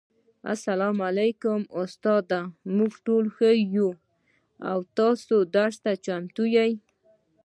وعلیکم السلام استاده موږ ټول ښه یو او درس ته چمتو یو